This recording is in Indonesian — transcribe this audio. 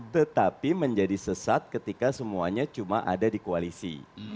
tetapi menjadi sesat ketika semuanya cuma ada di koalisi